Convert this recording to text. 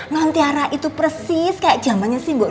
nantiara itu persis kayak jamannya sih mbok